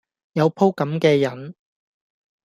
有鋪咁既癮